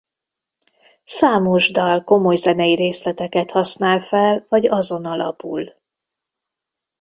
Számos dal komolyzenei részleteket használ fel vagy azon alapul.